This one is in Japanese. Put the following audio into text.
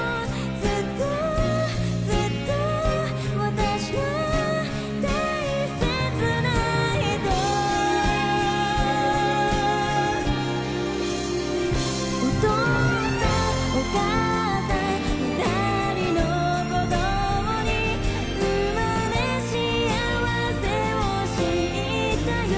ずっとずっと私の大切な人お父さんお母さん二人の子供に生まれ幸せを知ったよ